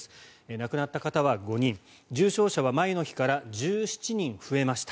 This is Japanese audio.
亡くなった方は５人重症者は前の日から１７人増えました。